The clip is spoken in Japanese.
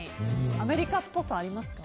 アメリカっぽさありますか？